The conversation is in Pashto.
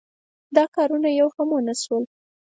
دا کارونه یو هم ونشول.